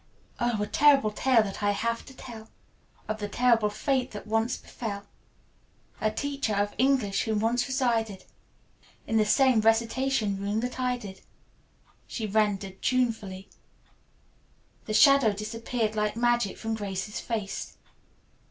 "Oh, a terrible tale I have to tell Of the terrible fate that once befell A teacher of English who once resided In the same recitation room that I did," she rendered tunefully. The shadow disappeared like magic from Grace's face.